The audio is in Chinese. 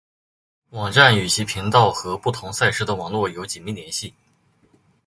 网站与其频道和不同赛事的网络有紧密联系。